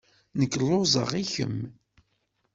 Nekk lluẓeɣ. I kemm?